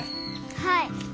はい。